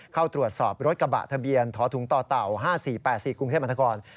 เข้าตรวจสอบรถกระบะทะเบียนท้อถุงต่อเต่า๕๔๘๔กรุงเทพมนาคม